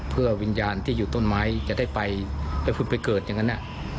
เพื่อวิญญาณที่อยู่ต้นไม้จะได้ไปได้คุณไปเกิดอย่างนั้น